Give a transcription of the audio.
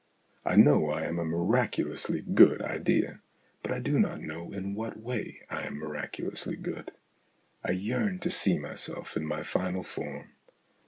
I know I am a miracu lously good idea, but I do not know in what way I am miraculously good. I yearn to see myself in my final form.